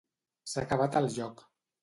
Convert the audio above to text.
S'ha acabat el joc